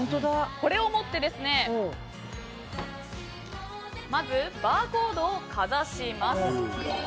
これを持ってまず、バーコードをかざします。